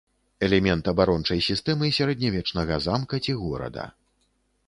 Элемент абарончай сістэмы сярэднявечнага замка ці горада.